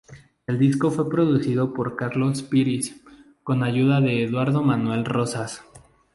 El disco fue producido por Carlos Píriz, con la ayuda de Eduardo Manuel Rozas.